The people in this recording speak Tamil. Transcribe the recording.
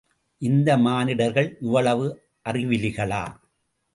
இந்த மானிடர்கள் இவ்வளவு அறிவிலிகளா!